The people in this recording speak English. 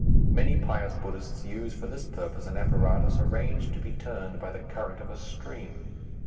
Many pious Buddhists use for this purpose an apparatus arranged to be turned by the current of a stream.